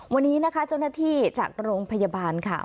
วันนี้นะคะเจ้าหน้าที่จากโรงพยาบาลค่ะ